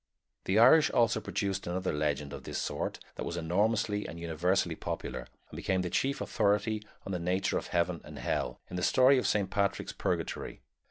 The Irish also produced another legend of this sort that was enormously and universally popular, and became the chief authority on the nature of heaven and hell, in the story of Saint Patrick's Purgatory.